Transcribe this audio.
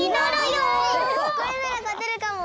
これならかてるかも！